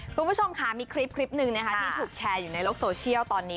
คุณผู้ชมค่ะมีคลิปหนึ่งนะคะที่ถูกแชร์อยู่ในโลกโซเชียลตอนนี้